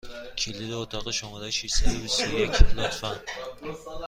کلید اتاق شماره ششصد و بیست و یک، لطفا!